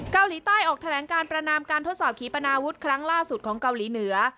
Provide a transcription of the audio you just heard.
เกาหลีใต้ออกแถลงการประนามการทดสอบขีปนาวุฒิครั้งล่าสุดของเกาหลีเหนือ